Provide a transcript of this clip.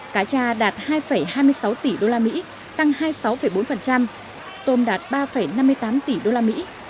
cá trà đạt hai hai mươi sáu tỷ usd tăng hai mươi sáu bốn tôm đạt ba năm mươi tám tỷ usd